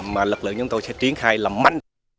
mà lực lượng chúng tôi sẽ triển khai làm mạnh